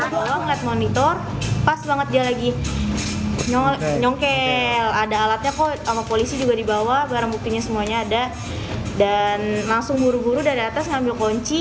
pelaku yang terlalu bergerak di dalam gerai terkunci